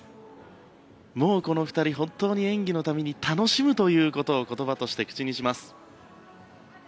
この２人、本当に演技のたびに楽しむということを言葉として口にします。